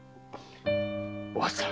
お初さん！